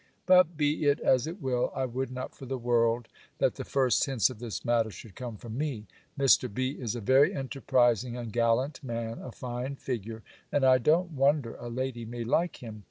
But be it as it will, I would not for the world, that the first hints of this matter should come from me. Mr. B. is a very enterprising and gallant man, a fine figure, and I don't wonder a lady may like him.